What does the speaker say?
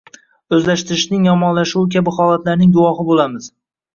o‘zlashtirishning yomonlashuvi kabi holatlarning guvohi bo‘lamiz.